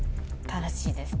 正しいです。